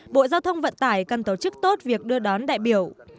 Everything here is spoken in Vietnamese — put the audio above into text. bộ giao thông vận tải cần tổ chức tốt việc đưa đón đại biểu